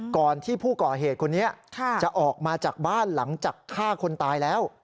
ก่อนที่ผู้ก่อเหตุคนนี้จะออกมาจากบ้านหลังจากฆ่าคนตายแล้ว